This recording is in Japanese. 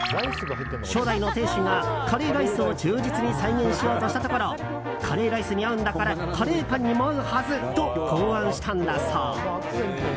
初代の店主がカレーライスを忠実に再現しようとしたところカレーライスに合うんだからカレーパンにも合うはずと考案したんだそう。